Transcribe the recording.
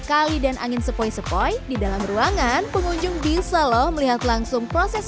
kali dan angin sepoi sepoi di dalam ruangan pengunjung bisa loh melihat langsung proses